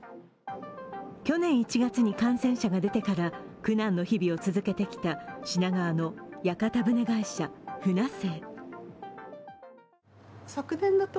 去年１月に感染者が出てから苦難の日々を続けてきた品川の屋形船会社、船清。